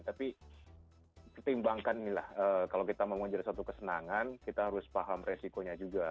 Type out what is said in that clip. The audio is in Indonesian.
tapi ketimbangkan inilah kalau kita mau menjelaskan kesenangan kita harus paham resikonya juga